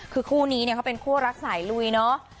คือคู่นี้เนี่ยเขาเป็นคู่รักสายลุยเนาะ